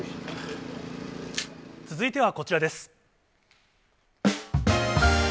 続いてはこちらです。